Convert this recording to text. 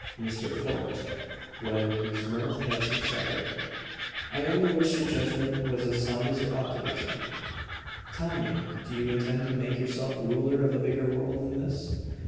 "Mr. Fort" when his mirth had subsided "I only wish your judgment was as sound as your optimism! Tell me do you intend to make yourself ruler of a bigger world than this?"